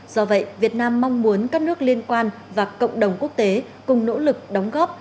do vậy việt nam mong muốn các nước liên quan và cộng đồng quốc tế cùng nỗ lực đóng góp